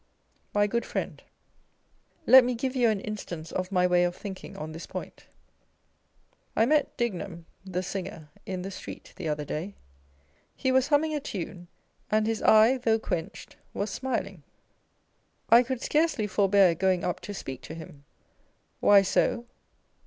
My good friend, let me give you an instance of my way of thinking on this point. I met Dignum (the singer) in the street the other day : he was humming a tune ; and his eye, though quenched, was smiling. I could scarcely forbear going up to speak to him. Why so?